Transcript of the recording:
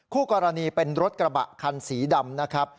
คู่กรณีเป็นรถกระบะคันสีดำนะครับ